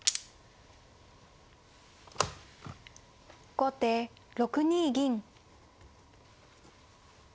後手６二銀。